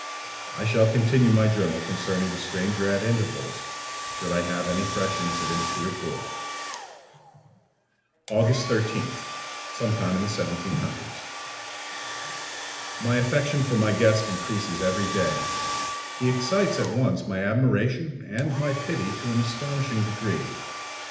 I shall continue my journal concerning the stranger at intervals, should I have any fresh incidents to record. August 13th, 17—. My affection for my guest increases every day. He excites at once my admiration and my pity to an astonishing degree.